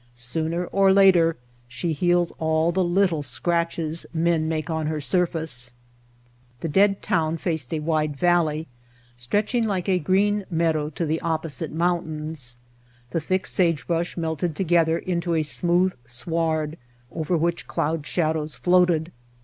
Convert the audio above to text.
Sooner or later she heals all the little scratches men make on her surface. The dead town faced a wide valley stretching like a green meadow to the opposite mountains. The thick sagebrush melted together into a smooth sward over which cloud shadows floated.